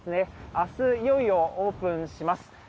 あす、いよいよオープンします。